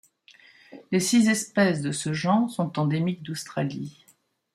Les six espèces de ce genre sont endémiques d'Australie.